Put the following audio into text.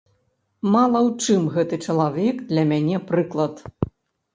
Мала ў чым гэты чалавек для мяне прыклад.